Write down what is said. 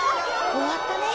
終わったね。